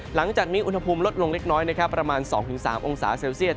หลังจากนี้อุณหภูมิลดลงเล็กน้อยประมาณ๒๓องศาเซลเซียต